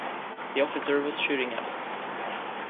The officer was shooting at us.